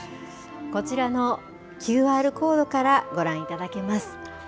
こちらのＱＲコードからご覧いただけます。